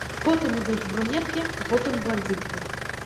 Потым ідуць брунеткі, а потым бландзінкі.